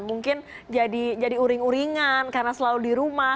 mungkin jadi uring uringan karena selalu di rumah